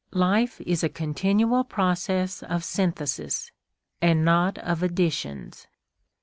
Life is a continual process of synthesis, and not of additions.